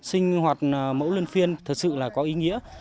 sinh hoạt mẫu luân phiên thật sự là có ý nghĩa